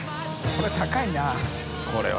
これ高いな。